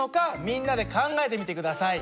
みんなで考えてみて下さい。